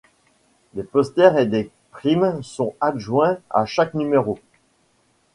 Des posters et des primes sont adjoints à chaque numéro.